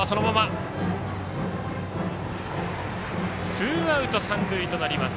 ツーアウト、三塁となります。